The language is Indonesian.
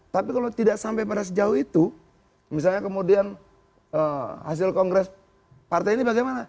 tapi kalau tidak sampai pada sejauh itu misalnya kemudian hasil kongres partai ini bagaimana